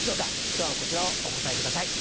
今日はこちらをお答えください。